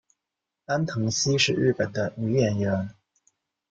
安藤希是日本的女演员。